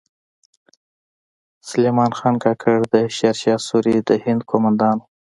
سلیمان خان کاکړ د شیر شاه سوري د هند کومندان و